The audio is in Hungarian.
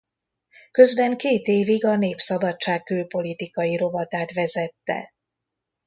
Közben két évig a Népszabadság külpolitikai rovatát vezette.